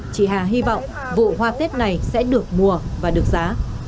chị hà hy vọng vụ hoa tết này sẽ được mùa và được giá